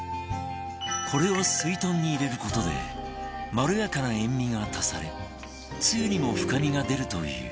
これをすいとんに入れる事でまろやかな塩味が足されつゆにも深みが出るという